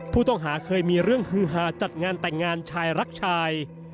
ผู้ต้องหาเคยมีเรื่องฮือฮาจัดงานแต่งงานชายรักชาย